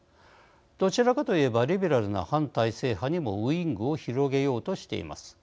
どちらかと言えばリベラルな反体制派にもウィングを広げようとしています。